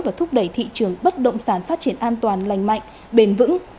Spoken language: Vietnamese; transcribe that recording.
và thúc đẩy thị trường bất động sản phát triển an toàn lành mạnh bền vững